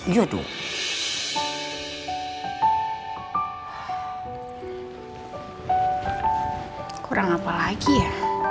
hai kurang apalagi ya